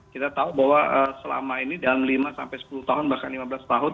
kita tahu bahwa selama ini dalam lima sampai sepuluh tahun bahkan lima belas tahun